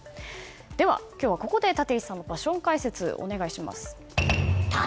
では、今日はここで立石さんのパッション解説、お願いします。